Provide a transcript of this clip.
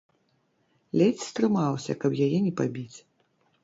Ледзь стрымаўся, каб яе не пабіць.